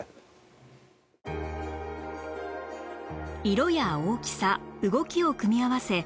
色や大きさ動きを組み合わせ